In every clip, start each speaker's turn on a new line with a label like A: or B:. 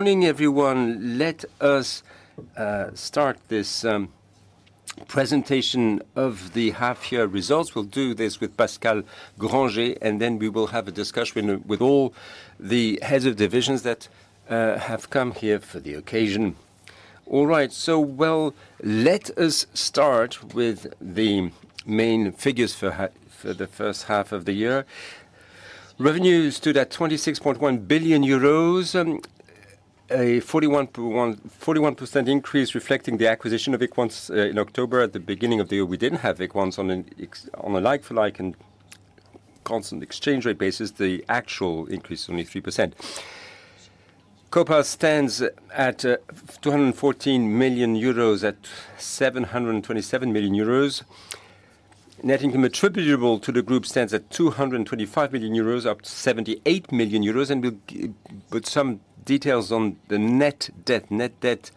A: Morning, everyone. Let us start this presentation of the half-year results. We'll do this with Pascal Grangé, then we will have a discussion with all the heads of divisions that have come here for the occasion. Let us start with the main figures for the H1 of the year. Revenues stood at 26.1 billion euros, a 41% increase, reflecting the acquisitio n of Equans in October. At the beginning of the year, we didn't have Equans. On a like-for-like and constant exchange rate basis, the actual increase is only 3%. COPA stands at 214 million euros, at 727 million euros. Net income attributable to the group stands at 225 million euros, up to 78 million euros. We'll put some details on the net debt. Net debt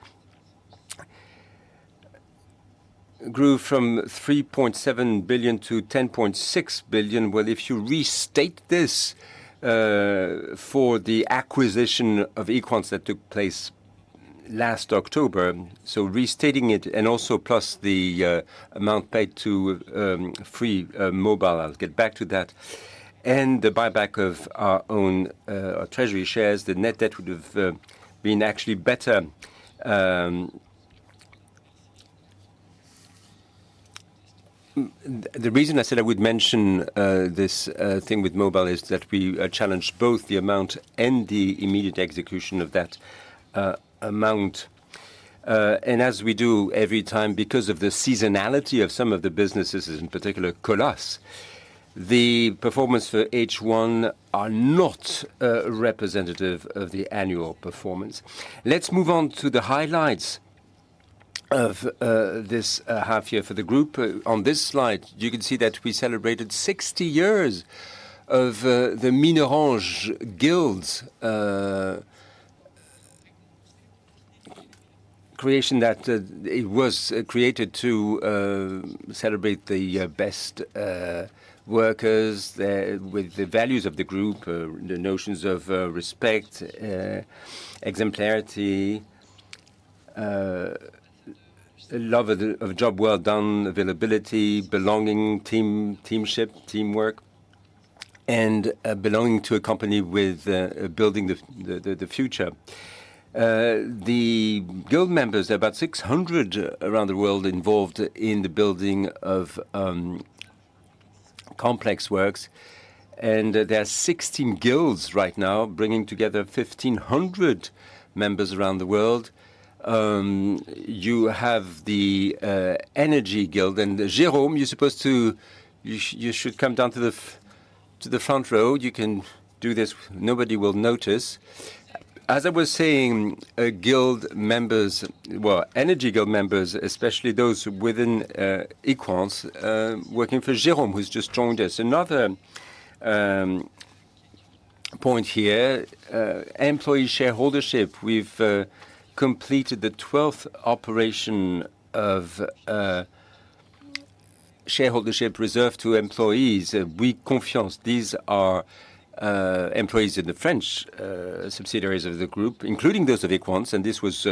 A: grew from 3.7 billion to 10.6 billion. Well, if you restate this for the acquisition of Equans that took place last October, so restating it, and also plus the amount paid to Free Mobile, I'll get back to that, and the buyback of our own treasury shares, the net debt would have been actually better. The reason I said I would mention this thing with mobile is that we challenged both the amount and the immediate execution of that amount. As we do every time, because of the seasonality of some of the businesses, in particular, Colas, the performance for H1 are not representative of the annual performance. Let's move on to the highlight s of this half year for the group. On this slide, you can see that we celebrated 60 years of the Minorange Guilds. Creation that. It was created to celebrate the best workers, with the values of the group, the notions of respect, exemplarity, love of the, of a job well done, availability, belonging, team, teamship, teamwork, and belonging to a company with building the, the, the future. The guild members, there are about 600 around the world involved in the building of complex works, and there are 16 guilds right now, bringing together 1,500 members around the world. You have the Energies Guild and, Jérôme, you're supposed to... You should come down to the front row. You can do this, nobody will notice. As I was saying, guild members, well, Energy Guild members, especially those within Equans, working for Jérôme, who's just joined us. Another point here, employee shareholdership. We've completed the twelfth operation of shareholdership reserved to employees, Bouygues Confiance. These are employees in the French subsidiaries of the group, including those of Equans, this was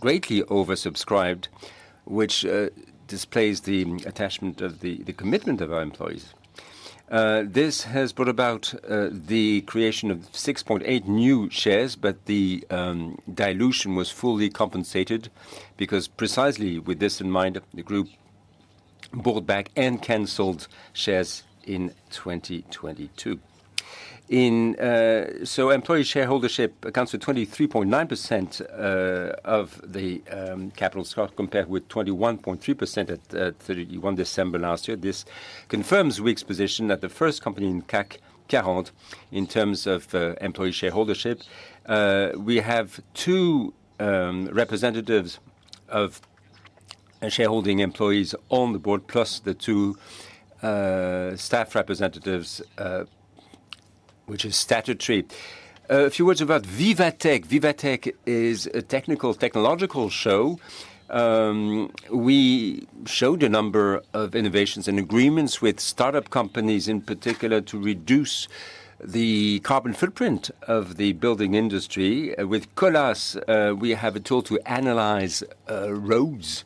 A: greatly oversubscribed, which displays the attachment of the, the commitment of our employees. This has brought about the creation of 6.8 new shares, but the dilution was fully compensated because precisely with this in mind, the group bought back and canceled shares in 2022. In... Employee shareholdership accounts for 23.9% of the capital stock, compared with 21.3% at 31 December last year. This confirms Bouygues' position as the first company in CAC 40 in terms of employee shareholdership. We have two representatives of shareholding employees on the board, plus the two staff representatives, which is statutory. A few words about Viva Technology. Viva Technology is a technical, technological show. We showed a number of innovations and agreements with startup companies, in particular, to reduce the carbon footprint of the building industry. With Colas, we have a tool to analyze roads,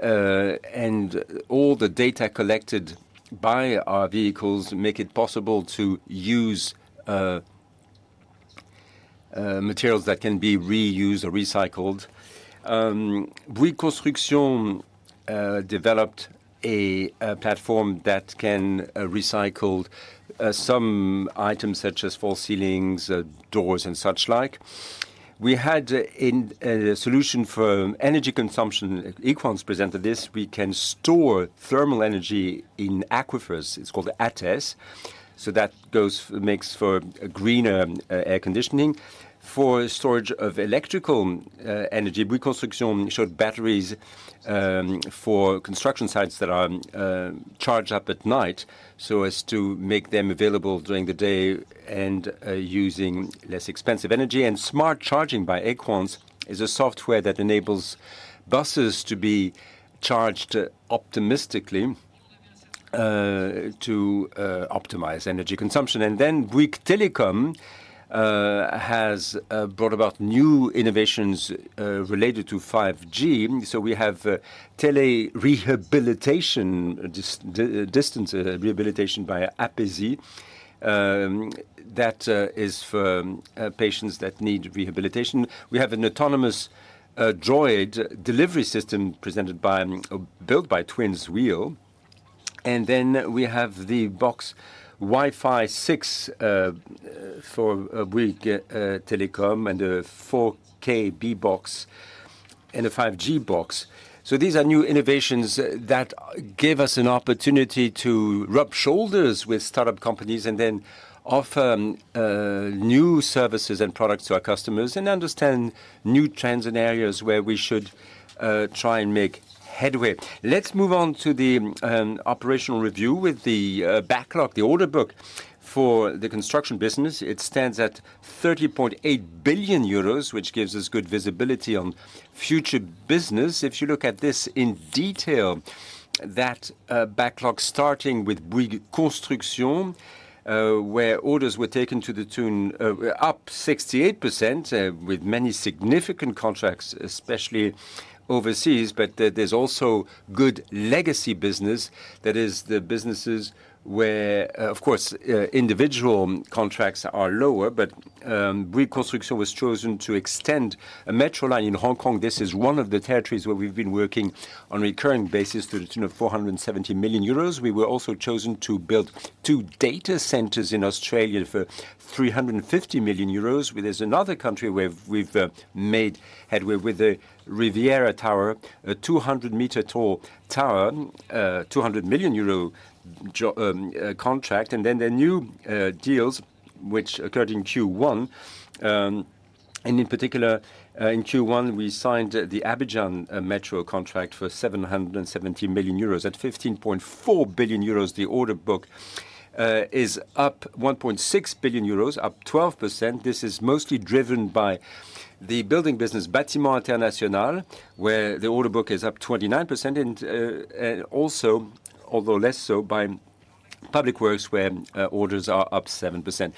A: and all the data collected by our vehicles make it possible to use materials that can be reused or recycled. Bouygues Construction developed a platform that can recycle some items such as false ceilings, doors, and such like. We had a solution for energy consumption. Equans presented this. We can store thermal energy in aquifers. It's called ATES. That makes for a greener air conditioning. For storage of electrical energy, Bouygues Construction showed batteries for construction sites that are charged up at night, so as to make them available during the day and using less expensive energy. Smart charging by Equans is a software that enables buses to be charged optimistically to optimize energy consumption. Bouygues Telecom has brought about new innovations related to 5G. We have tele-rehabilitation, distance rehabilitation by Apizee. That is for patients that need rehabilitation. We have an autonomous droid delivery system presented by and built by TwinswHeel. We have the box Wi-Fi 6 for Bouygues Telecom, and a 4K Bbox, and a 5G box. These are new innovations that give us an opportunity to rub shoulders with startup companies, and then offer new services and products to our customers and understand new trends and areas where we should try and make headway. Let's move on to the operational review with the backlog. The order book for the construction business, it stands at 30.8 billion euros, which gives us good visibility on future business. If you look at this in detail, that backlog, starting with Bouygues Construction, where orders were taken to the tune up 68%, with many significant contracts, especially overseas. There, there's also good legacy business. That is the businesses where. Of course, individual contracts are lower, but Bouygues Construction was chosen to extend a metro line in Hong Kong. This is one of the territories where we've been working on a recurring basis to the tune of 470 million euros. We were also chosen to build two data centers in Australia for 350 million euros. There's another country where we've, we've made headway with the Riviera Tower, a 200 meter tall tower, 200 million euro contract. The new deals which occurred in Q1, and in particular in Q1, we signed the Abidjan metro contract for 770 million euros. At 15.4 billion euros, the order book is up 1.6 billion euros, up 12%. This is mostly driven by the building business, Bâtiments International, where the order book is up 29%, and also, although less so, by public works, where orders are up 7%.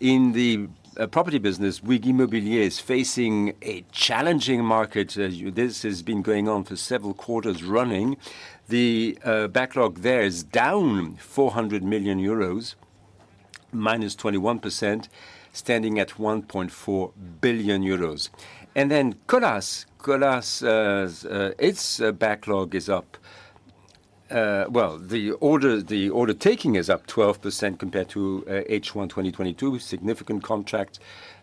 A: In the property business, Bouygues Immobilier is facing a challenging market. This has been going on for several quarters running. The backlog there is down 400 million euros, -21%, standing at 1.4 billion euros. Colas. Colas, its backlog is up... Well, the order, the order taking is up 12% compared to H1 2022. Significant contract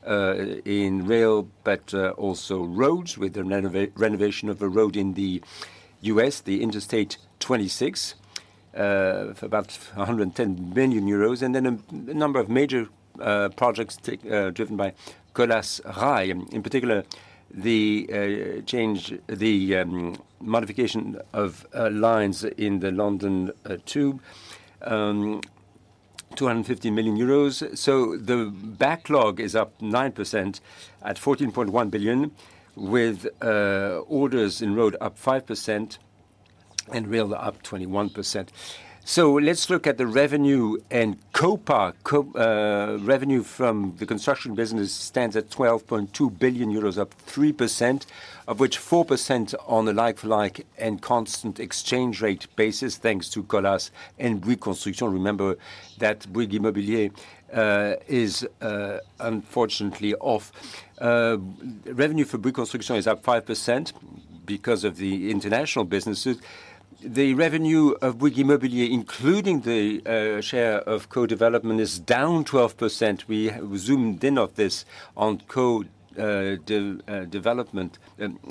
A: in rail, but also roads, with the renovation of a road in the U.S., the Interstate 26, for about 110 million euros, and then a number of major projects driven by Colas Rail. In particular, the modification of lines in the London Tube, 250 million euros. The backlog is up 9% at 14.1 billion, with orders in road up 5% and rail up 21%. Let's look at the revenue and COPA. Revenue from the construction business stands at 12.2 billion euros, up 3%, of which 4% on a like-for-like and constant exchange rate basis, thanks to Colas and Bouygues Construction. Remember that Bouygues Immobilier is unfortunately off. Revenue for Bouygues Construction is up 5% because of the international businesses. The revenue of Bouygues Immobilier, including the share of co-development, is down 12%. We zoomed in on this, on co-development,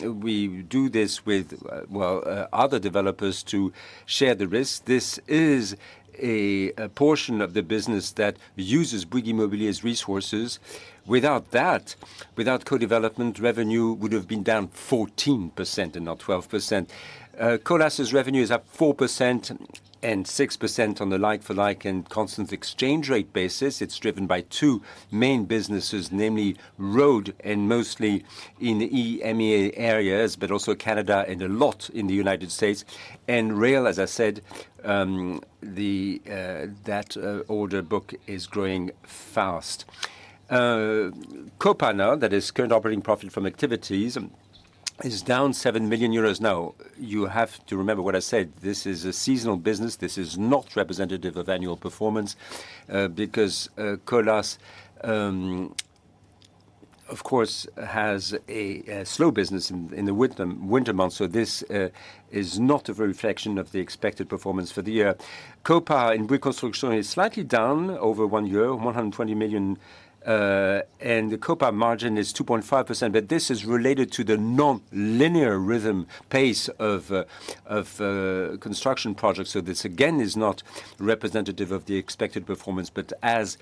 A: we do this with well, other developers to share the risk. This is a portion of the business that uses Bouygues Immobilier's resources. Without that, without co-development, revenue would have been down 14% and not 12%. Colas' revenue is up 4%, 6% on a like-for-like and constant exchange rate basis. It's driven by two main businesses, namely road, mostly in EMEA areas, but also Canada and a lot in the United States. Rail, as I said, that order book is growing fast. COPA now, that is Current Operating Profit from Activities, is down 7 million euros. Now, you have to remember what I said, this is a seasonal business. This is not representative of annual performance, because Colas, of course, has a slow business in the winter months, so this is not a reflection of the expected performance for the year. COPA in Bouygues Construction is slightly down over one year, 120 million, and the COPA margin is 2.5%, but this is related to the non-linear rhythm pace of construction projects. This, again, is not representative of the expected performance. As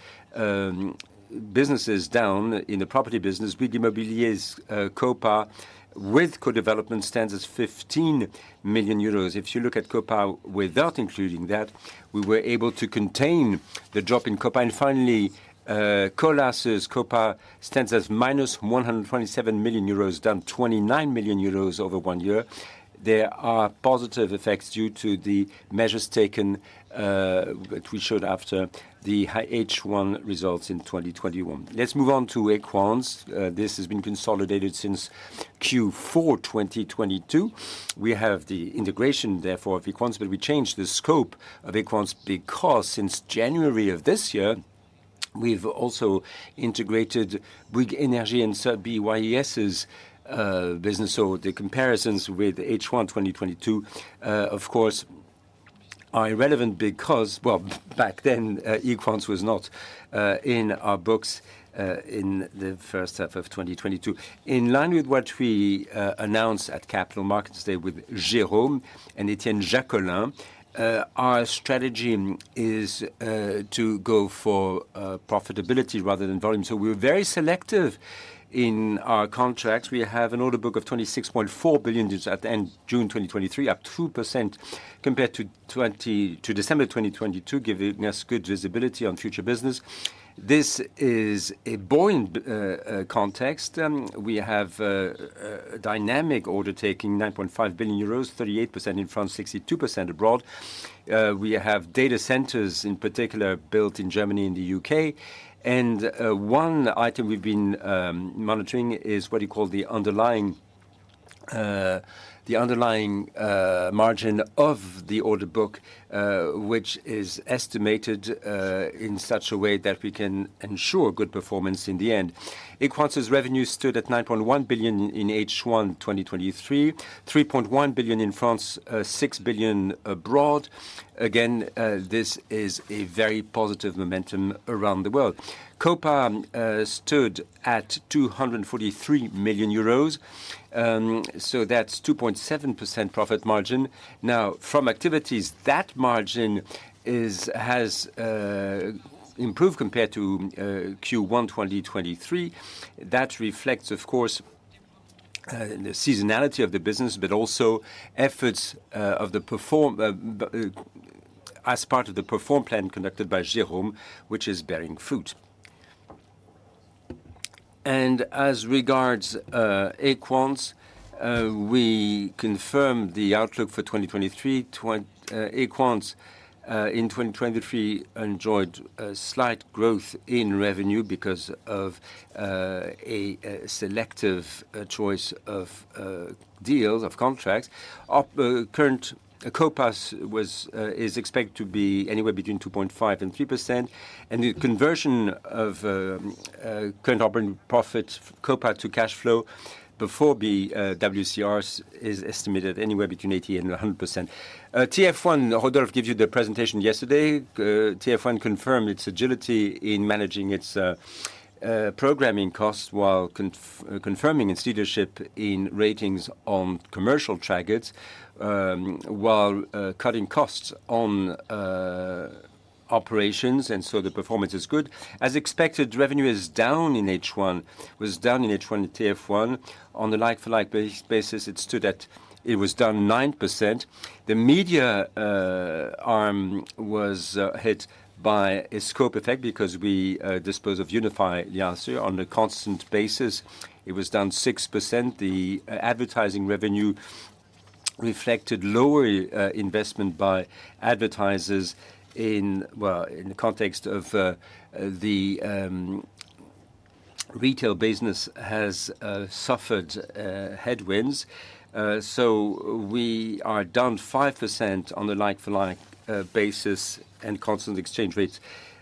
A: business is down in the property business, Bouygues Immobilier's COPA with co-development stands at 15 million euros. If you look at COPA without including that, we were able to contain the drop in COPA. Finally, Colas' COPA stands at -127 million euros, down 29 million euros over one year. There are positive effects due to the measures taken, which we showed after the high H1 results in 2021. Let's move on to Equans. This has been consolidated since Q4 2022. We have the integration, therefore, of Equans, but we changed the scope of Equans because since January of this year- We've also integrated Bouygues Energies & Services' business, the comparisons with H1 2022, of course, are irrelevant because, well, back then, Equans was not in our books in the H1 of 2022. In line with what we announced at Capital Markets Day with Jérôme and Etienne Jacolin, our strategy is to go for profitability rather than volume. We're very selective in our contracts. We have an order book of 26.4 billion at the end June 2023, up 2% compared to December 2022, giving us good visibility on future business. This is a buoyant context. We have dynamic order taking, 9.5 billion euros, 38% in France, 62% abroad. We have data centers, in particular, built in Germany and the UK. One item we've been monitoring is what you call the underlying, the underlying margin of the order book, which is estimated in such a way that we can ensure good performance in the end. Equans' revenue stood at 9.1 billion in H1 2023, 3.1 billion in France, 6 billion abroad. Again, this is a very positive momentum around the world. COPA stood at 243 million euros, so that's 2.7% profit margin. From activities, that margin has improved compared to Q1 2023. That reflects, of course, the seasonality of the business, but also efforts of the PERFORM, as part of the PERFORM plan conducted by Jérôme, which is bearing fruit. As regards Equans, we confirmed the outlook for 2023. Equans in 2023 enjoyed a slight growth in revenue because of a selective choice of deals, of contracts. Our current COPA was expected to be anywhere between 2.5% and 3%, the conversion of current operating profit, COPA, to cash flow before the WCRs is estimated anywhere between 80% and 100%. TF1, Rodolphe gave you the presentation yesterday. TF1 confirmed its agility in managing its programming costs, while confirming its leadership in ratings on commercial targets, while cutting costs on operations, the performance is good. As expected, revenue is down in H1, was down in H1 at TF1. On a like-for-like basis, it was down 9%. The media arm was hit by a scope effect because we disposed of Unify last year. On a constant basis, it was down 6%. The advertising revenue reflected lower investment by advertisers in... Well, in the context of the retail business has suffered headwinds, so we are down 5% on a like-for-like basis and constant exchange rates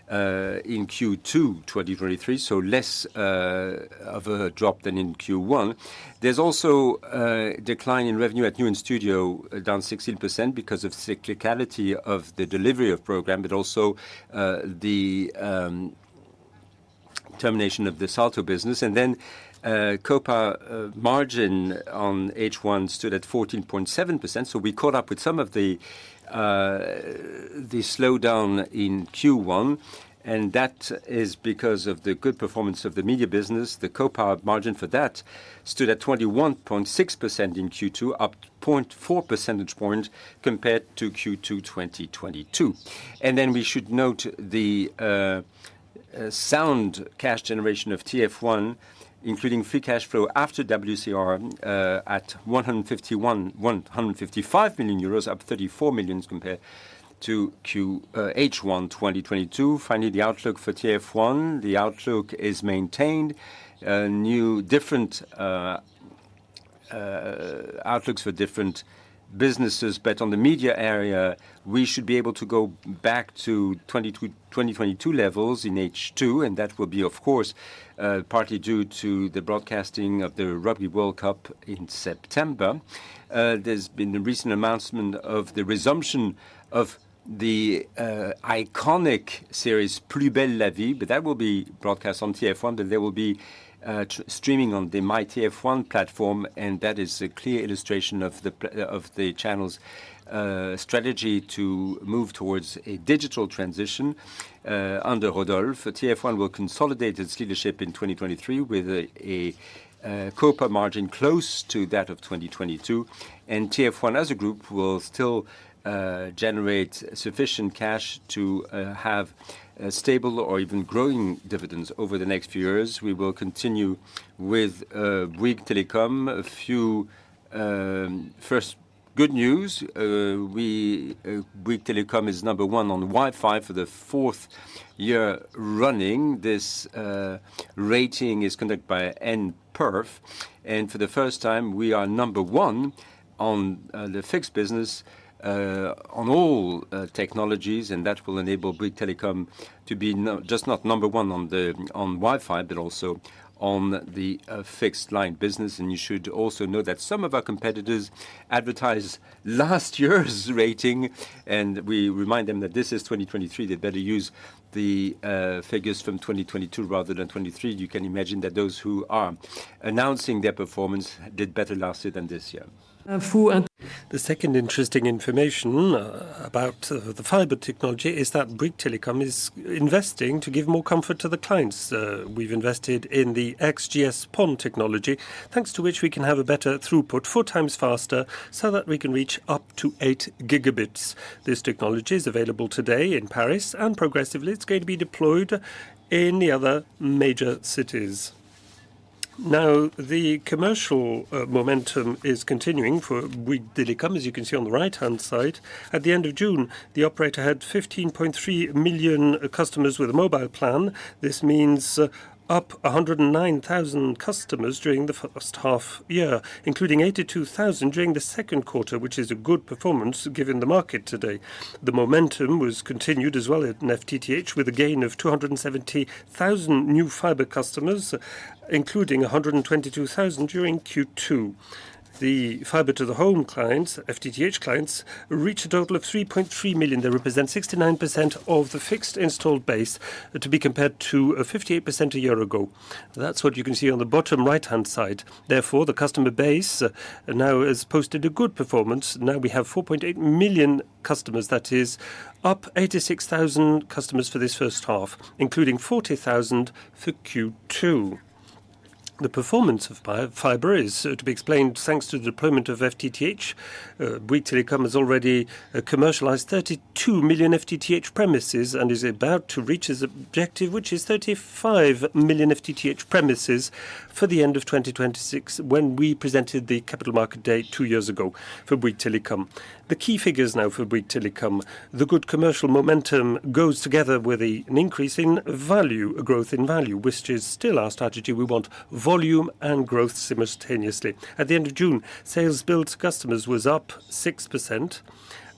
A: in Q2 2023, so less of a drop than in Q1. There's also a decline in revenue at Newen Studios, down 16% because of cyclicality of the delivery of program, but also the termination of the Salto business. COPA margin on H1 stood at 14.7%, so we caught up with some of the slowdown in Q1, and that is because of the good performance of the media business. The COPA margin for that stood at 21.6% in Q2, up 0.4 percentage points compared to Q2 2022. We should note the sound cash generation of TF1, including free cash flow after WCR, at 151 million-155 million euros, up 34 million compared to H1 2022. Finally, the outlook for TF1. The outlook is maintained. New, different outlooks for different businesses. On the media area, we should be able to go back to 2022 levels in H2, and that will be, of course, partly due to the broadcasting of the Rugby World Cup in September. There's been a recent announcement of the resumption of the iconic series, Plus Belle La Vie, but that will be broadcast on TF1, and they will be streaming on the MYTF1 platform, and that is a clear illustration of the channel's strategy to move towards a digital transition under Rodolphe. TF1 will consolidate its leadership in 2023 with a COPA margin close to that of 2022, and TF1 as a group will still generate sufficient cash to have stable or even growing dividends over the next few years. We will continue with Bouygues Telecom. A few Good news, we, Bouygues Telecom is number 1 on Wi-Fi for the 4th year running. This rating is conducted by nPerf, and for the first time, we are number 1 on the fixed business on all technologies, and that will enable Bouygues Telecom to be just not number 1 on the, on Wi-Fi, but also on the fixed-line business. You should also know that some of our competitors advertise last year's rating, and we remind them that this is 2023. They better use the figures from 2022 rather than 2023. You can imagine that those who are announcing their performance did better last year than this year.
B: The second interesting information about the fiber technology is that Bouygues Telecom is investing to give more comfort to the clients. We've invested in the XGS-PON technology, thanks to which we can have a better throughput, four times faster, so that we can reach up to 8GB. This technology is available today in Paris, and progressively, it's going to be deployed in the other major cities. The commercial momentum is continuing for Bouygues Telecom, as you can see on the right-hand side. At the end of June, the operator had 15.3 million customers with a mobile plan. This means up 109,000 customers during the H1 year, including 82,000 during the second quarter, which is a good performance given the market today. The momentum was continued as well in FTTH, with a gain of 270,000 new fiber customers, including 122,000 during Q2. The fiber to the home clients, FTTH clients, reach a total of 3.3 million. They represent 69% of the fixed installed base, to be compared to 58% a year ago. That's what you can see on the bottom right-hand side. The customer base now has posted a good performance. We have 4.8 million customers. That is up 86,000 customers for this H1, including 40,000 for Q2. The performance of fiber is to be explained thanks to the deployment of FTTH. Bouygues Telecom has already commercialized 32 million FTTH premises and is about to reach its objective, which is 35 million FTTH premises for the end of 2026, when we presented the Capital Markets Day two years ago for Bouygues Telecom. The key figures now for Bouygues Telecom. The good commercial momentum goes together with an increase in value, a growth in value, which is still our strategy. We want volume and growth simultaneously. At the end of June, sales billed to customers was up 6%,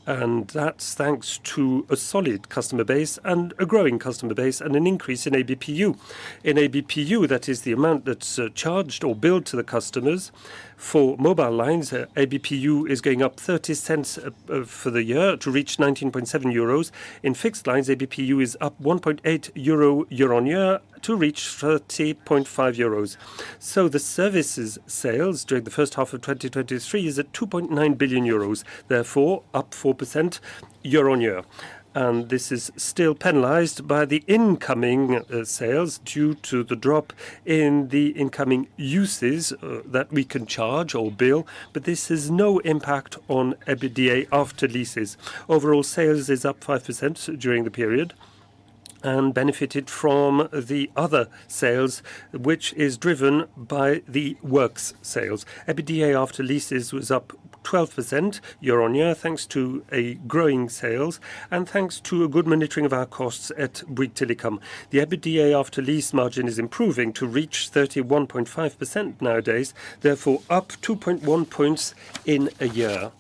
B: and that's thanks to a solid customer base and a growing customer base and an increase in ABPU. In ABPU, that is the amount that's charged or billed to the customers. For mobile lines, ABPU is going up 0.30 for the year to reach 19.7 euros. In fixed lines, ABPU is up 1.8 euro year-on-year to reach 30.5 euros. The services sales during the H1 of 2023 is at 2.9 billion euros, therefore up 4% year-on-year. This is still penalized by the incoming sales due to the drop in the incoming uses that we can charge or bill, but this has no impact on EBITDA after leases. Overall, sales is up 5% during the period and benefited from the other sales, which is driven by the works sales. EBITDA after leases was up 12% year-on-year, thanks to a growing sales and thanks to a good monitoring of our costs at Bouygues Telecom. The EBITDA after lease margin is improving to reach 31.5% nowadays, therefore up 2.1 points in a year.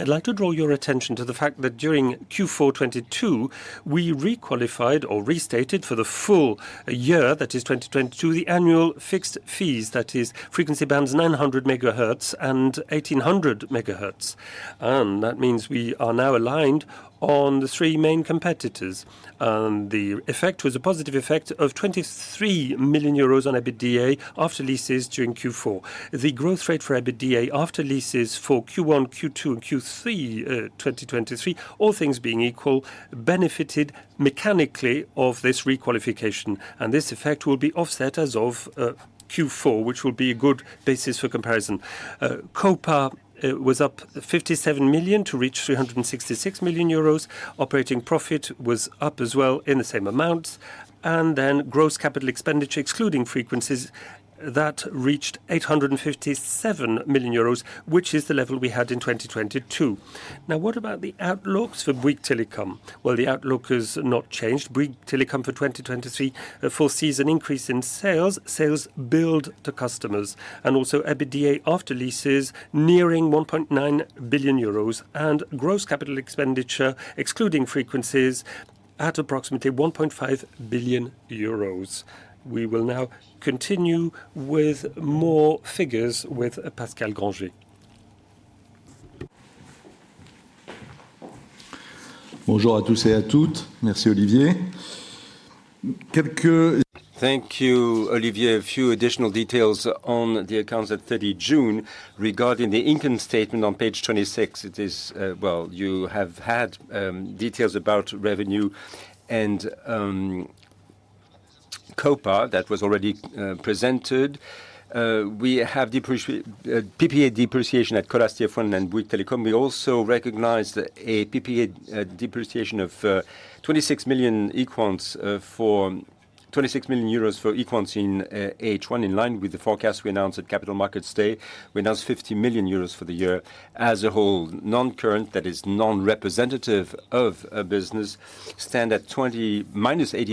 B: I'd like to draw your attention to the fact that during Q4 2022, we re-qualified or restated for the full year, that is 2022, the annual fixed fees, that is frequency bands 900 megahertz and 1,800 megahertz. That means we are now aligned on the three main competitors. The effect was a positive effect of 23 million euros on EBITDA after leases during Q4. The growth rate for EBITDA after leases for Q1, Q2, and Q3 2023, all things being equal, benefited mechanically of this re-qualification, and this effect will be offset as of Q4, which will be a good basis for comparison. COPA was up 57 million to reach 366 million euros. Operating profit was up as well in the same amount. Gross capital expenditure, excluding frequencies, that reached 857 million euros, which is the level we had in 2022. Now, what about the outlooks for Bouygues Telecom? Well, the outlook has not changed. Bouygues Telecom for 2023 foresees an increase in sales, sales billed to customers, and also EBITDA after leases nearing 1.9 billion euros and gross capital expenditure, excluding frequencies, at approximately 1.5 billion euros. We will now continue with more figures with Pascal Grangé.
A: [unintelligible] Thank you, Olivier. A few additional details on the accounts at 30 June. Regarding the income statement on page 26, it is... Well, you have had details about revenue and COPA that was already presented. We have PPA depreciation at Colas TF1 and Bouygues Telecom. We also recognized a PPA depreciation of 26 million for Equans in H1, in line with the forecast we announced at Capital Markets Day. We announced 50 million euros for the year as a whole. Non-current, that is non-representative of a business, stand at -80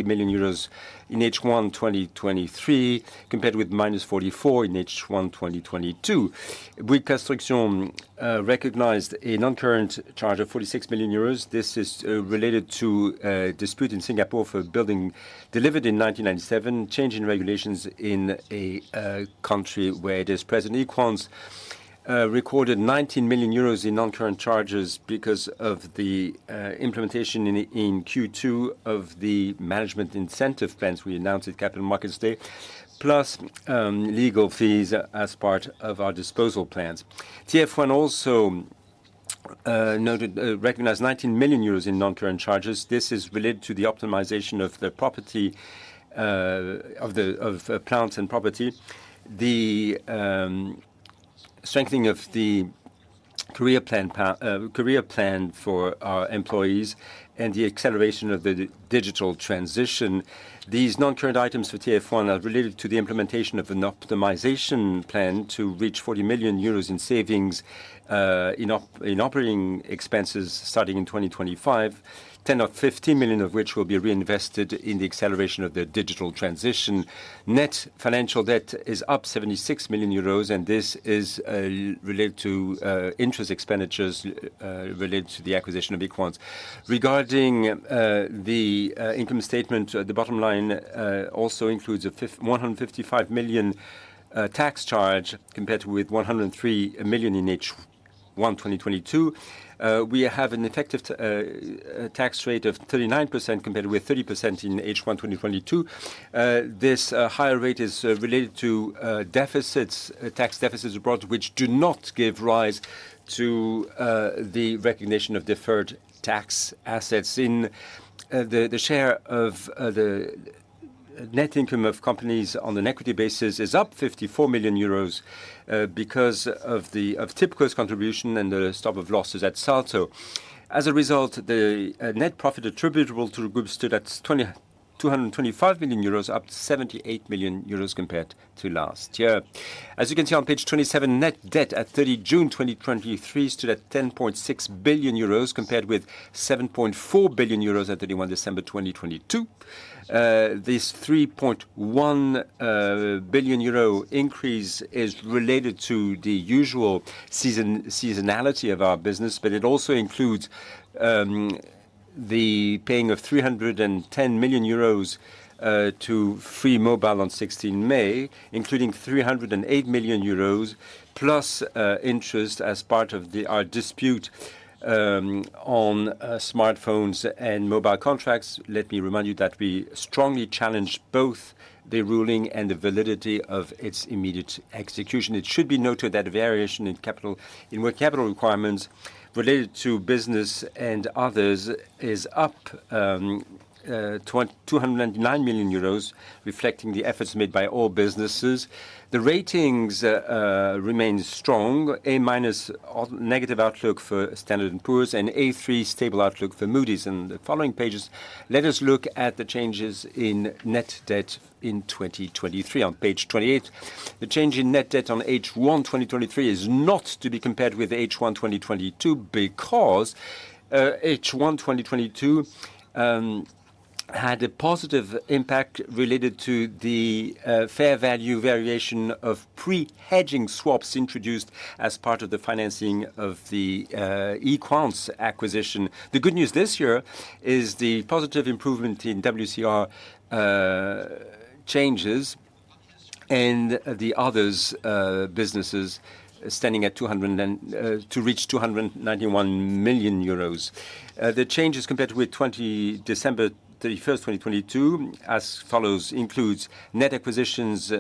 A: million euros in H1 2023, compared with -44 million in H1 2022. Bouygues Construction recognized a non-current charge of 46 million euros. This is related to a dispute in Singapore for a building delivered in 1997, change in regulations in a country where it is present. Equans recorded 19 million euros in non-current charges because of the implementation in Q2 of the management incentive plans we announced at Capital Markets Day, plus legal fees as part of our disposal plans. TF1 also noted recognized 19 million euros in non-current charges. This is related to the optimization of the property, of the plants and property, the strengthening of the career plan for our employees, and the acceleration of the digital transition. These non-current items for TF1 are related to the implementation of an optimization plan to reach 40 million euros in savings in operating expenses starting in 2025, 10 million or 15 million of which will be reinvested in the acceleration of the digital transition. Net financial debt is up 76 million euros. This is related to interest expenditures related to the acquisition of Equans. Regarding the income statement, the bottom line also includes a 155 million tax charge, compared with 103 million in H1 2022. We have an effective tax rate of 39%, compared with 30% in H1 2022. This higher rate is related to deficits, tax deficits abroad, which do not give rise to the recognition of deferred tax assets. The share of the net income of companies on an equity basis is up 54 million euros because of the of Tipco's contribution and the stop of losses at Salto. As a result, the net profit attributable to the group stood at 2,225 million euros, up 78 million euros compared to last year. As you can see on page 27, net debt at June 30, 2023 stood at 10.6 billion euros, compared with 7.4 billion euros at December 31, 2022. This 3.1 billion euro increase is related to the usual seasonality of our business. It also includes the paying of 310 million euros to Free Mobile on 16th May, including 308 million euros, plus interest as part of our dispute on smartphones and mobile contracts. Let me remind you that we strongly challenge both the ruling and the validity of its immediate execution. It should be noted that variation in capital, in working capital requirements related to business and others is up 209 million euros, reflecting the efforts made by all businesses. The ratings remain strong: A- negative outlook for Standard & Poor's, and A3 stable outlook for Moody's. In the following pages, let us look at the changes in net debt in 2023. On page 28, the change in net debt on H1 2023 is not to be compared with H1 2022 because H1 2022 had a positive impact related to the fair value variation of pre-hedging swaps introduced as part of the financing of the Equans acquisition. The good news this year is the positive improvement in WCR changes and the others businesses standing at 291 million euros. The changes compared with December 31st, 2022, as follows: includes net acquisitions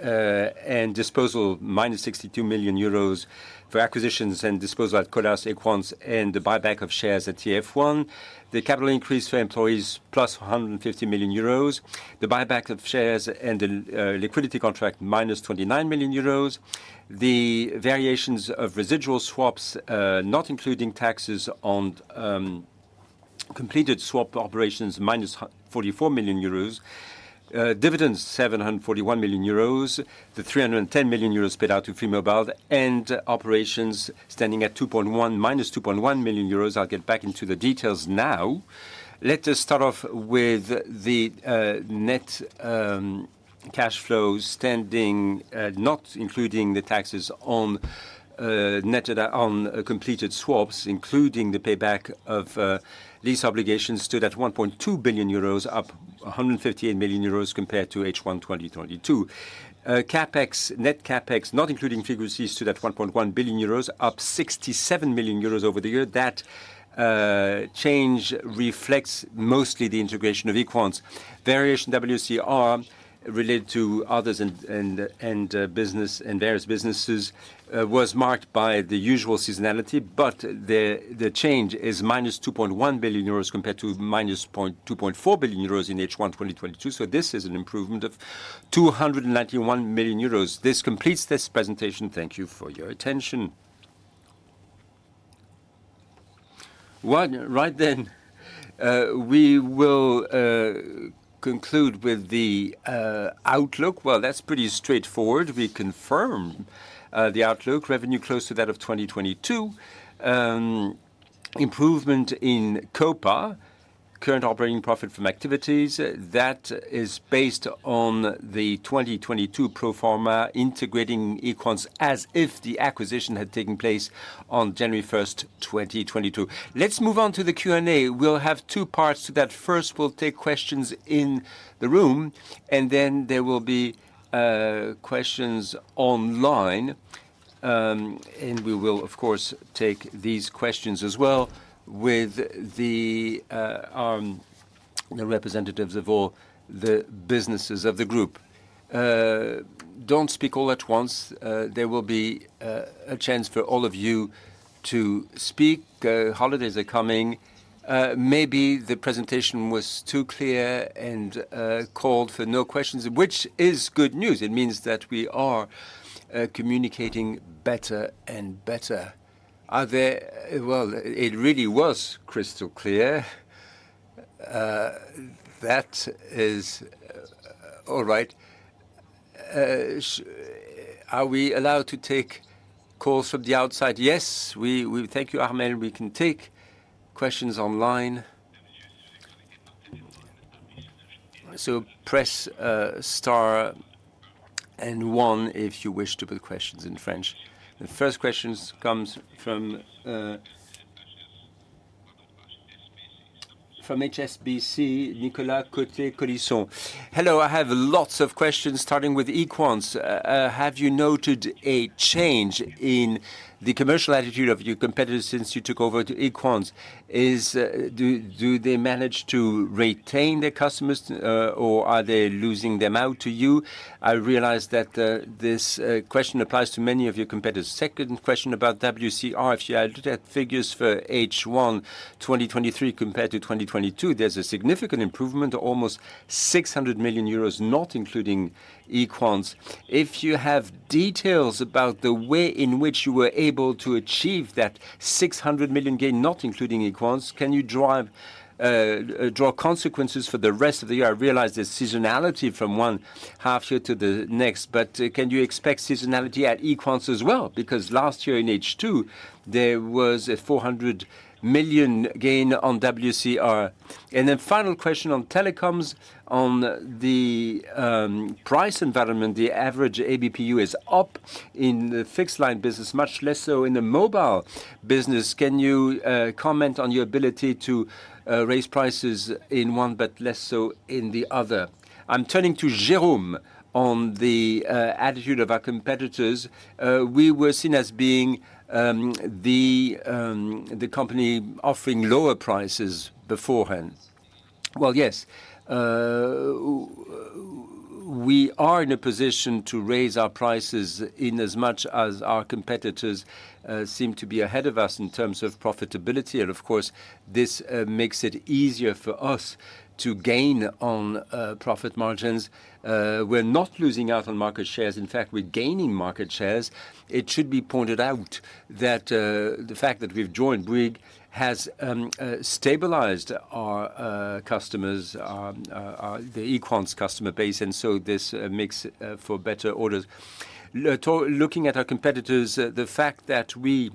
A: and disposal, -62 million euros for acquisitions and disposal of Colas, Equans, and the buyback of shares at TF1. The capital increase for employees, +150 million euros. The buyback of shares and the liquidity contract, minus 29 million euros. The variations of residual swaps, not including taxes on completed swap operations, minus 44 million euros. Dividends, 741 million euros. The 310 million euros paid out to Free Mobile, and operations standing at minus 2.1 million euros. I'll get back into the details now. Let us start off with the net cash flows standing, not including the taxes on net to date on completed swaps, including the payback of these obligations, stood at 1.2 billion euros, up 138 million euros compared to H1 2022. CapEx, net CapEx, not including frequencies, stood at 1.1 billion euros, up 67 million euros over the year. That change reflects mostly the integration of Equans. Variation WCR related to others and business and various businesses was marked by the usual seasonality, but the change is -2.1 billion euros compared to -2.4 billion euros in H1 2022. This is an improvement of 291 million euros. This completes this presentation. Thank you for your attention. Well, we will conclude with the outlook. Well, that's pretty straightforward. We confirm the outlook. Revenue close to that of 2022. Improvement in COPA, Current Operating Profit from Activities, that is based on the 2022 pro forma, integrating Equans as if the acquisition had taken place on January 1st, 2022. Let's move on to the Q&A. We'll have 2 parts to that. First, we'll take questions in the room, and then there will be questions online. We will, of course, take these questions as well with the representatives of all the businesses of the group. Don't speak all at once. There will be a chance for all of you to speak. Holidays are coming. Maybe the presentation was too clear and called for no questions, which is good news. It means that we are communicating better and better. We can take questions online. Press star and one if you wish to put questions in French. The first questions comes from HSBC, Nicolas Cote-Colisson.
C: Hello, I have lots of questions, starting with Equans. Have you noted a change in the commercial attitude of your competitors since you took over to Equans? Do they manage to retain their customers, or are they losing them out to you? I realize that this question applies to many of your competitors. Second question about WCR. If you add the figures for H1 2023 compared to 2022, there's a significant improvement of almost 600 million euros, not including Equans. If you have details about the way in which you were able to achieve that 600 million gain, not including Equans, can you drive, draw consequences for the rest of the year? I realize there's seasonality from one half year to the next, but can you expect seasonality at Equans as well? Last year in H2, there was a 400 million gain on WCR. Final question on telecoms. On the price environment, the average ABPU is up in the fixed line business, much less so in the mobile business. Can you comment on your ability to raise prices in one but less so in the other? I'm turning to Jérôme on the attitude of our competitors. We were seen as being the company offering lower prices beforehand.
D: Well, yes. We are in a position to raise our prices inasmuch as our competitors seem to be ahead of us in terms of profitability. This makes it easier for us to gain on profit margins. We're not losing out on market shares. In fact, we're gaining market shares. It should be pointed out that the fact that we've joined Bouygues has stabilized our customers, the Equans customer base, and so this makes for better orders. Looking at our competitors, the fact that we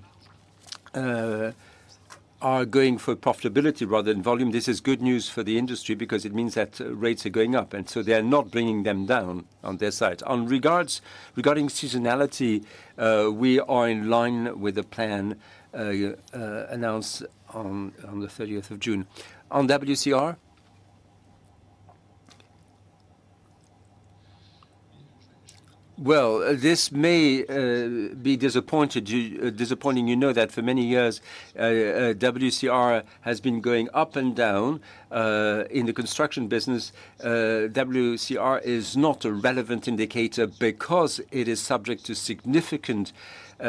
D: are going for profitability rather than volume, this is good news for the industry because it means that rates are going up, and so they are not bringing them down on their side. Regarding seasonality, we are in line with the plan announced on the thirtieth of June. On WCR? Well, this may be disappointing. You know that for many years, WCR has been going up and down. In the construction business, WCR is not a relevant indicator because it is subject to significant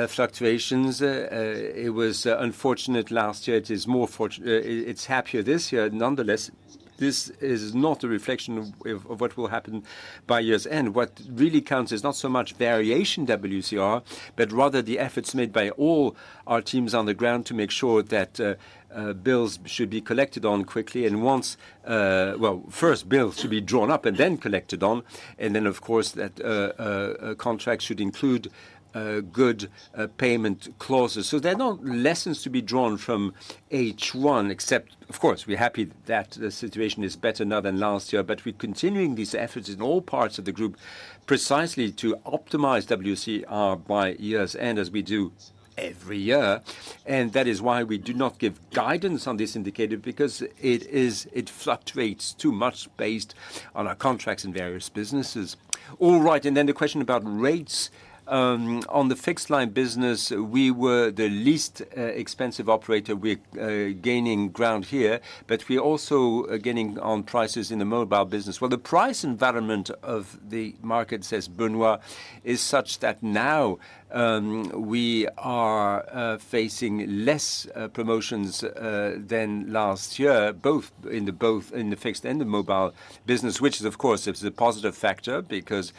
D: fluctuations. It was unfortunate last year. It is more fortunate. It's happier this year. Nonetheless, this is not a reflection of what will happen by year's end. What really counts is not so much variation WCR, but rather the efforts made by all our teams on the ground to make sure that bills should be collected on quickly, and once. Well, first, bills should be drawn up and then collected on. Then, of course, that a contract should include good payment clauses. There are no lessons to be drawn from H1, except, of course, we're happy that the situation is better now than last year. We're continuing these efforts in all parts of the group precisely to optimize WCR by year's end, as we do every year. That is why we do not give guidance on this indicator, because it fluctuates too much based on our contracts in various businesses. The question about rates. On the fixed line business, we were the least expensive operator. We're gaining ground here, but we're also gaining on prices in the mobile business. The price environment of the market, says Benoît, is such that now, we are facing less promotions than last year, both in the fixed and the mobile business, which is, of course, it's a positive factor because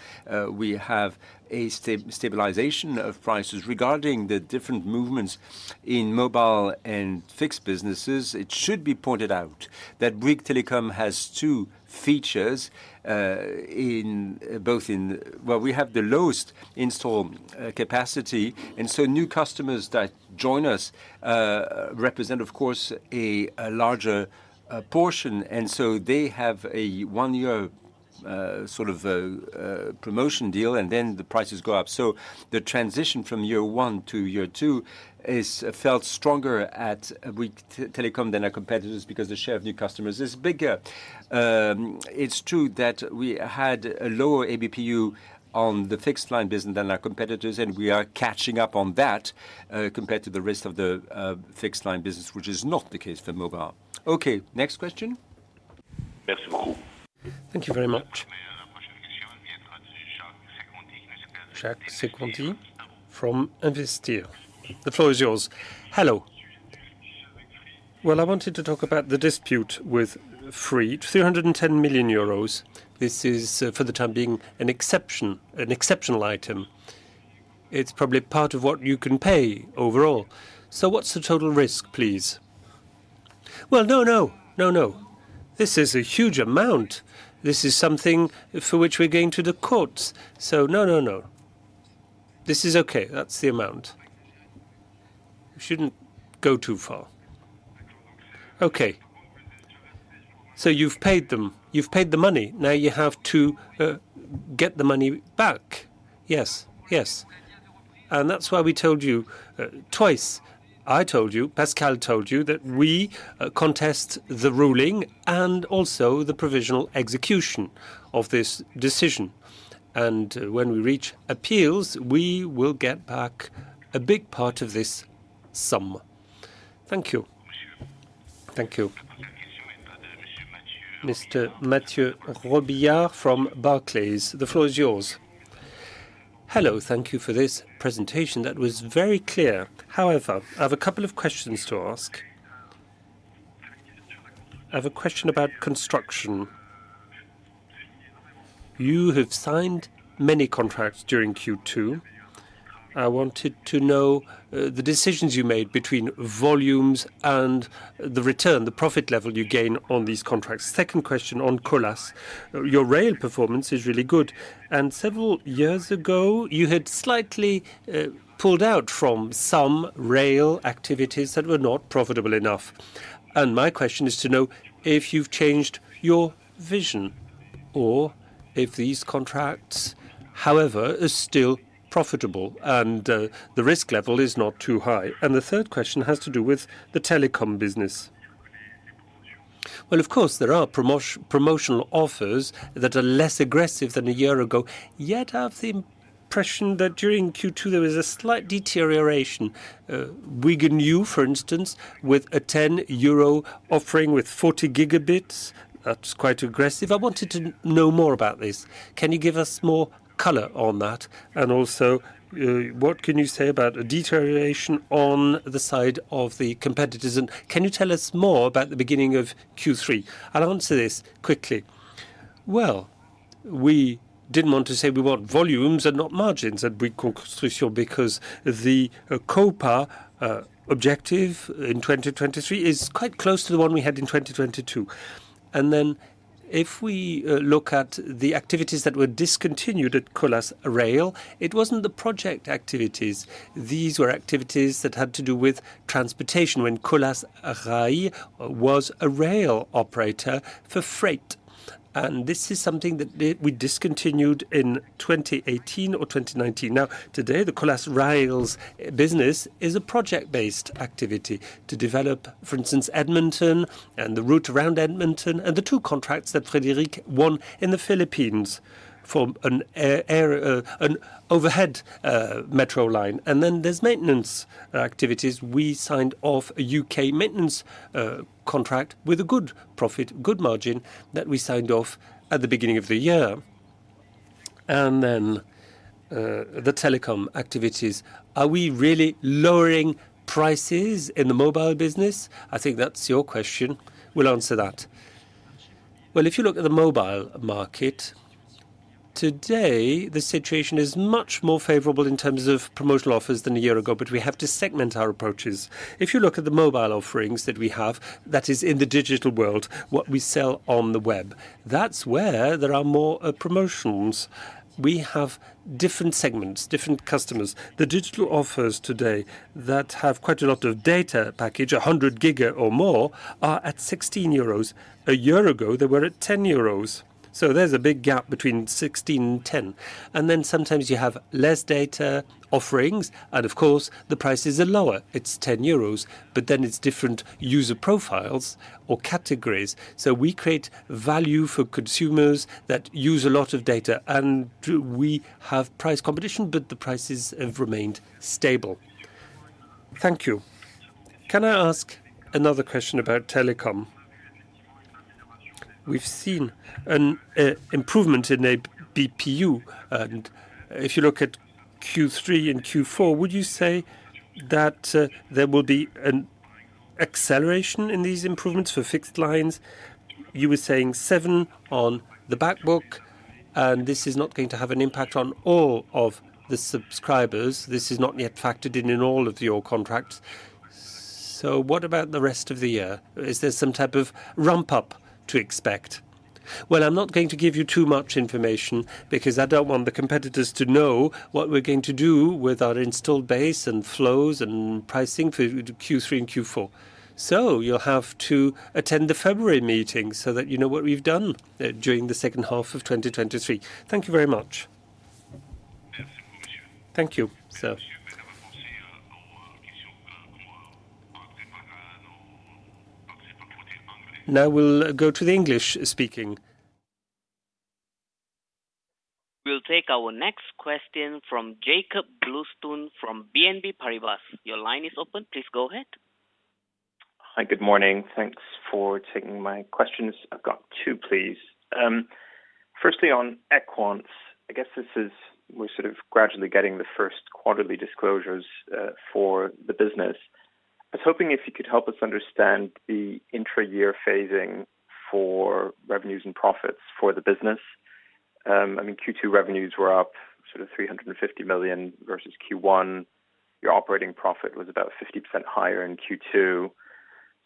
D: we have a stabilization of prices. Regarding the different movements in mobile and fixed businesses, it should be pointed out that Bouygues Telecom has two features, in both in... Well, we have the lowest install capacity, and so new customers that join us represent, of course, a larger portion, and so they have a 1-year contract.... sort of, promotion deal, and then the prices go up. The transition from year 1 to year 2 is felt stronger at Bouygues Telecom than our competitors because the share of new customers is bigger. It's true that we had a lower ABPU on the fixed line business than our competitors. We are catching up on that compared to the rest of the fixed line business, which is not the case for mobile. Okay, next question.
E: Thank you very much. Jacques Sequanti from Investir. The floor is yours.
F: Hello. Well, I wanted to talk about the dispute with Free, 310 million euros. This is, for the time being, an exception, an exceptional item. It's probably part of what you can pay overall. What's the total risk, please?
D: Well, no, no. No, no. This is a huge amount. This is something for which we're going to the courts, so no, no, no. This is okay. That's the amount.
A: You shouldn't go too far. Okay.
D: You've paid them. You've paid the money, now you have to get the money back. Yes, yes, that's why we told you twice, I told you, Pascal told you, that we contest the ruling and also the provisional execution of this decision. When we reach appeals, we will get back a big part of this sum. Thank you.
E: Thank you. Mr. Mathieu Robilliard from Barclays, the floor is yours.
G: Hello, thank you for this presentation. That was very clear. However, I have a couple of questions to ask. I have a question about construction. You have signed many contracts during Q2. I wanted to know the decisions you made between volumes and the return, the profit level you gain on these contracts. Second question on Colas. Your rail performance is really good. Several years ago, you had slightly pulled out from some rail activities that were not profitable enough. My question is to know if you've changed your vision or if these contracts, however, are still profitable and the risk level is not too high. The third question has to do with the telecom business. Well, of course, there are promotional offers that are less aggressive than a year ago, yet I have the impression that during Q2, there was a slight deterioration. Bouygues new, for instance, with a 10 euro offering with 40 gigabits, that's quite aggressive. I wanted to know more about this. Can you give us more color on that? Also, what can you say about a deterioration on the side of the competitors, and can you tell us more about the beginning of Q3? I'll answer this quickly.
B: Well, we didn't want to say we want volumes and not margins at Bouygues Construction because the COPA objective in 2023 is quite close to the one we had in 2022. Then, if we look at the activities that were discontinued at Colas Rail, it wasn't the project activities. These were activities that had to do with transportation when Colas Rail was a rail operator for freight, and this is something that we discontinued in 2018 or 2019. Today, the Colas Rail's business is a project-based activity to develop, for instance, Edmonton and the route around Edmonton, and the two contracts that Frédéric won in the Philippines for an overhead metro line. There's maintenance activities. We signed off a UK maintenance contract with a good profit, good margin, that we signed off at the beginning of the year. The telecom activities. Are we really lowering prices in the mobile business? I think that's your question. We'll answer that. Well, if you look at the mobile market, today, the situation is much more favorable in terms of promotional offers than a year ago, but we have to segment our approaches. If you look at the mobile offerings that we have, that is in the digital world, what we sell on the web, that's where there are more promotions. We have different segments, different customers. The digital offers today that have quite a lot of data package, 100 GB or more, are at 16 euros. A year ago, they were at 10 euros, so there's a big gap between 16 and 10. Then sometimes you have less data offerings, and of course, the prices are lower. It's 10 euros, but then it's different user profiles or categories. We create value for consumers that use a lot of data, and we have price competition, but the prices have remained stable. Thank you.
G: Can I ask another question about telecom?
B: We've seen an improvement in ABPU, and if you look at Q3 and Q4, would you say that there will be an acceleration in these improvements for fixed lines? You were saying 7 on the back book, and this is not going to have an impact on all of the subscribers. This is not yet factored in in all of your contracts. What about the rest of the year? Is there some type of ramp-up to expect? Well, I'm not going to give you too much information because I don't want the competitors to know what we're going to do with our installed base, and flows, and pricing for Q3 and Q4. You'll have to attend the February meeting so that you know what we've done during the H2 of 2023. Thank you very much.
E: Thank you, sir. Now we'll go to the English-speaking. We'll take our next question from Jakob Bluestone from BNP Paribas. Your line is open. Please go ahead.
H: Hi, good morning. Thanks for taking my questions. I've got 2, please. Firstly, on Equans. I guess this is, we're sort of gradually getting the first quarterly disclosures for the business. I was hoping if you could help us understand the intra-year phasing for revenues and profits for the business. I mean, Q2 revenues were up sort of 350 million versus Q1. Your operating profit was about 50% higher in Q2.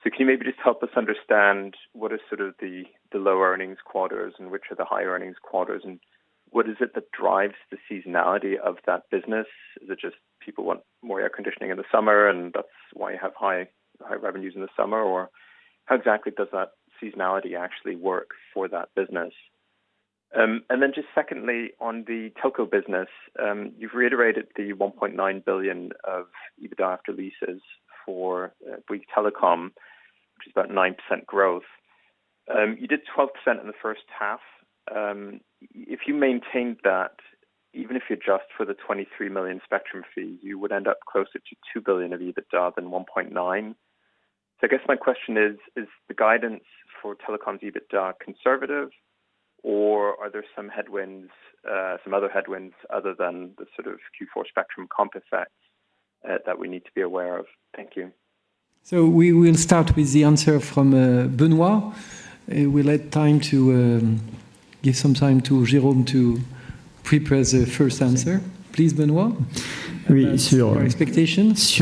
H: Can you maybe just help us understand what is sort of the, the lower earnings quarters, and which are the higher earnings quarters, and what is it that drives the seasonality of that business? Is it just people want more air conditioning in the summer, and that's why you have high, high revenues in the summer? How exactly does that seasonality actually work for that business? Just secondly, on the telco business, you've reiterated the 1.9 billion of EBITDA after leases for Bouygues Telecom, which is about 9% growth. You did 12% in the H1. If you maintained that, even if you adjust for the 23 million spectrum fee, you would end up closer to 2 billion of EBITDA than 1.9 billion. I guess my question is: Is the guidance for telecom's EBITDA conservative, or are there some headwinds, some other headwinds other than the sort of Q4 spectrum comp effect, that we need to be aware of? Thank you.
E: We will start with the answer from Benoît. We'll let time to give some time to Jérôme to prepare the first answer. Please, Benoît, your expectations.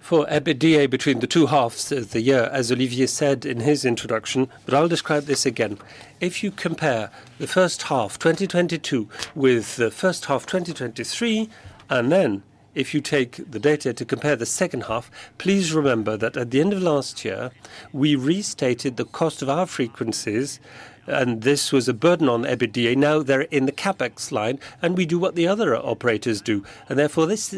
I: For EBITDA between the two halves of the year, as Olivier said in his introduction, I'll describe this again. If you compare the H1, 2022, with the H1, 2023, then if you take the data to compare the H2, please remember that at the end of last year, we restated the cost of our frequencies, this was a burden on EBITDA. Now they're in the CapEx line, we do what the other operators do, therefore, there's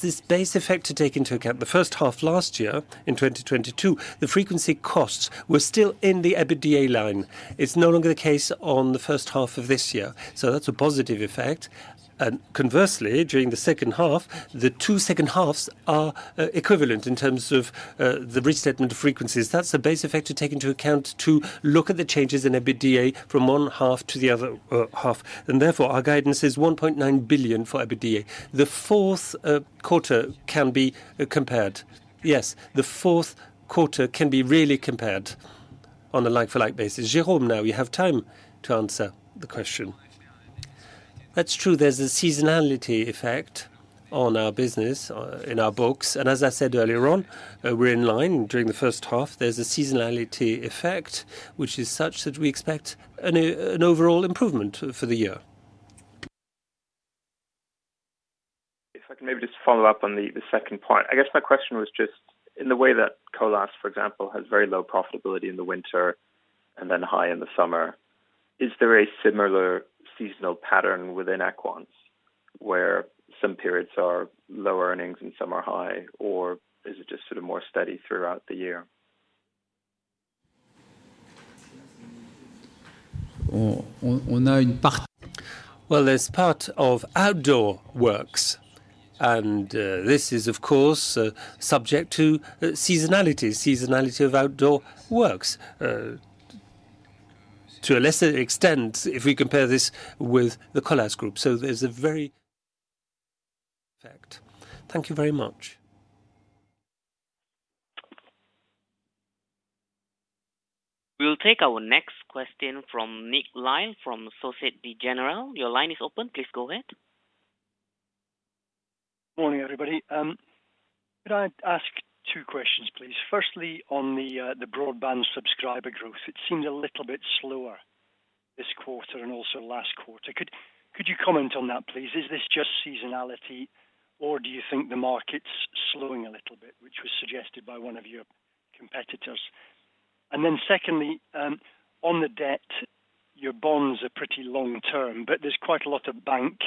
I: this base effect to take into account. The H1 last year, in 2022, the frequency costs were still in the EBITDA line. It's no longer the case on the H1 of this year. That's a positive effect. Conversely, during the H2, the two second halves are equivalent in terms of the restatement of frequencies. That's a base effect to take into account to look at the changes in EBITDA from one half to the other half. Therefore, our guidance is 1.9 billion for EBITDA. The fourth quarter can be compared. Yes, the fourth quarter can be really compared on a like-for-like basis. Jérôme, now you have time to answer the question. That's true, there's a seasonality effect on our business in our books, and as I said earlier on, we're in line during the H1. There's a seasonality effect, which is such that we expect an overall improvement for the year.
H: If I could maybe just follow up on the, the second point. I guess my question was just in the way that Colas, for example, has very low profitability in the winter and then high in the summer, is there a similar seasonal pattern within Equans, where some periods are lower earnings and some are high, or is it just sort of more steady throughout the year?
A: Well, there's part of outdoor works, and, this is, of course, subject to seasonality, seasonality of outdoor works, to a lesser extent, if we compare this with the Colas group. There's a very effect. Thank you very much.
E: We'll take our next question from Nick Lyall from Société Générale. Your line is open. Please go ahead.
J: Morning, everybody. Could I ask two questions, please? Firstly, on the broadband subscriber growth, it seemed a little bit slower this quarter and also last quarter. Could, could you comment on that, please? Is this just seasonality, or do you think the market's slowing a little bit, which was suggested by one of your competitors? Secondly, on the debt, your bonds are pretty long term, but there's quite a lot of bank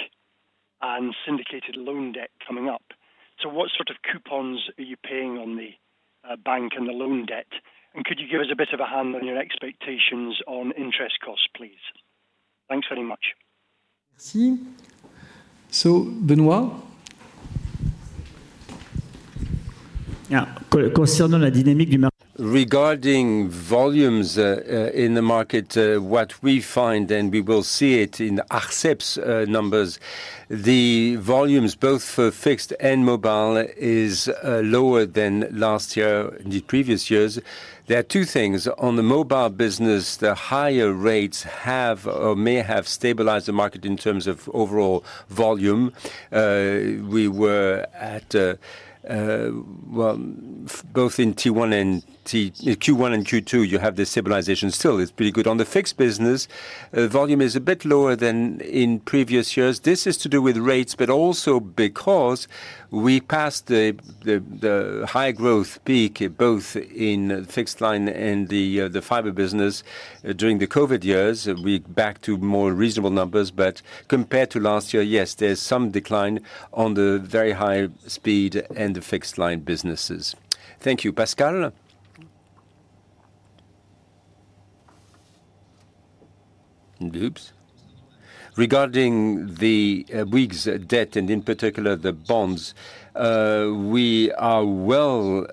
J: and syndicated loan debt coming up. What sort of coupons are you paying on the bank and the loan debt? Could you give us a bit of a handle on your expectations on interest costs, please? Thanks very much.
E: Merci. Benoît?
I: Yeah. Regarding volumes, in the market, what we find, and we will see it in ARCEP's numbers, the volumes, both for fixed and mobile, is lower than last year and the previous years. There are two things. On the mobile business, the higher rates have or may have stabilized the market in terms of overall volume. We were at both in Q1 and Q2, you have this stabilization. Still, it's pretty good. On the fixed business, volume is a bit lower than in previous years. This is to do with rates, but also because we passed the, the, the high growth peak, both in fixed line and the fiber business during the COVID years. We're back to more reasonable numbers. Compared to last year, yes, there's some decline on the very high speed and the fixed line businesses. Thank you. Pascal?...
A: and oops. Regarding the Bouygues' debt, and in particular, the bonds, we are well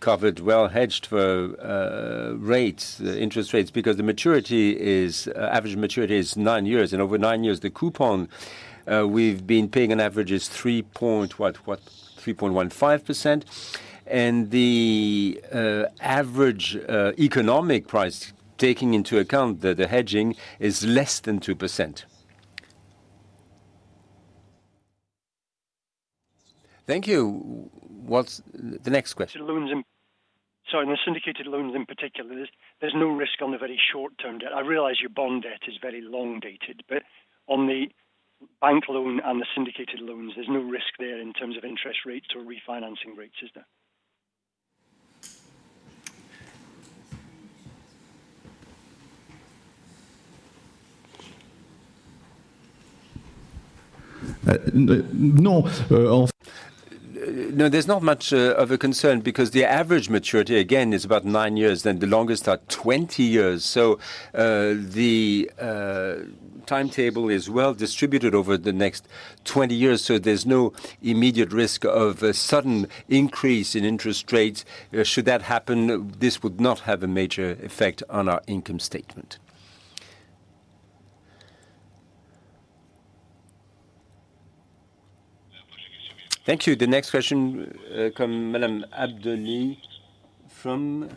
A: covered, well hedged for rates, the interest rates, because the maturity is. Average maturity is 9 years. Over 9 years, the coupon we've been paying on average is three point what, what? 3.15%. The average economic price, taking into account the hedging, is less than 2%. Thank you. What's the next question?
J: In the syndicated loans, in particular, there's, there's no risk on the very short-term debt. I realize your bond debt is very long-dated, but on the bank loan and the syndicated loans, there's no risk there in terms of interest rates or refinancing rates, is there?
A: No, there's not much of a concern because the average maturity, again, is about nine years, and the longest are 20 years. The timetable is well distributed over the next 20 years, so there's no immediate risk of a sudden increase in interest rates. Should that happen, this would not have a major effect on our income statement. Thank you. The next question, come Madame Abdoli from-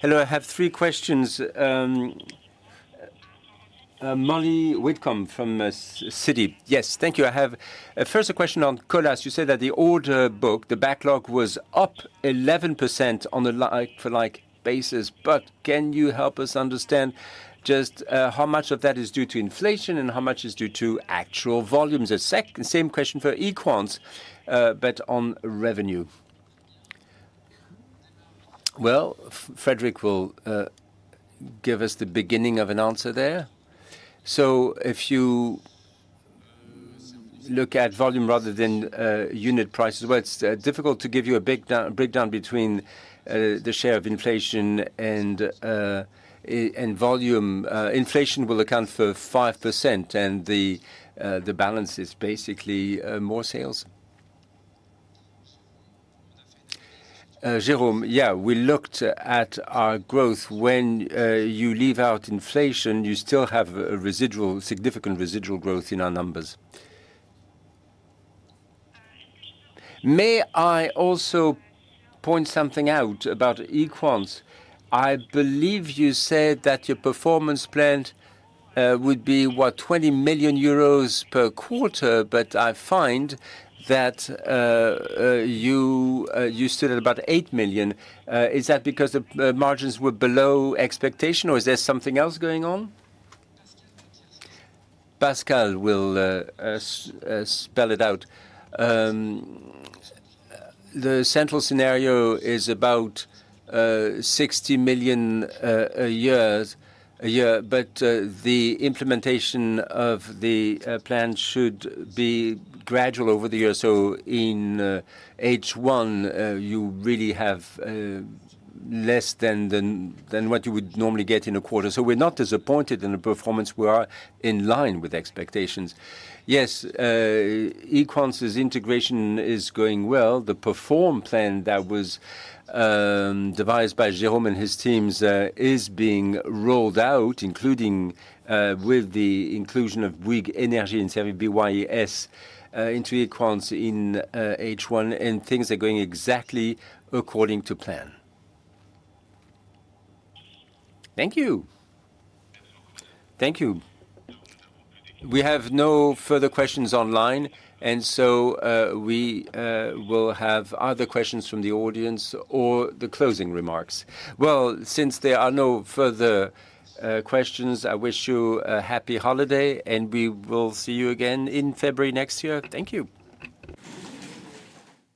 A: Hello, I have three questions. Molly Widdowson from Citi. Yes, thank you. I have first a question on Colas. You said that the older book, the backlog, was up 11% on a like-for-like basis, but can you help us understand just how much of that is due to inflation and how much is due to actual volumes? The same question for Equans, but on revenue.
K: Frédéric will give us the beginning of an answer there. If you look at volume rather than unit prices, it's difficult to give you a big breakdown between the share of inflation and volume. Inflation will account for 5%, and the balance is basically more sales. Jérôme, we looked at our growth. When you leave out inflation, you still have a residual, significant residual growth in our numbers. May I also point something out about Equans? I believe you said that your performance plan would be, what? 20 million euros per quarter, but I find that you stood at about 8 million. Is that because the margins were below expectation, or is there something else going on?
B: Pascal will spell it out. The central scenario is about 60 million a year, but the implementation of the plan should be gradual over the years. In H1, you really have less than what you would normally get in a quarter. We're not disappointed in the performance. We are in line with expectations. Yes, Equans' integration is going well. The PERFORM plan that was devised by Jérôme and his teams is being rolled out, including with the inclusion of WIG Energie and CEV BYES into Equans in H1, and things are going exactly according to plan.
E: Thank you. Thank you. We have no further questions online, and so we will have other questions from the audience or the closing remarks.
A: Well, since there are no further questions, I wish you a happy holiday, and we will see you again in February next year. Thank you!